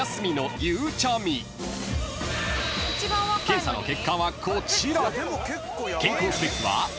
［検査の結果はこちら！］